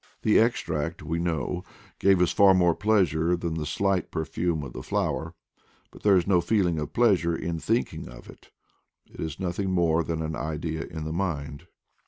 The extract, we know, gave us far more pleasure than the slight perfume of the flower, but there is no feeling ot pleasure in thinking of it : it is nothing more than an idea in the mind.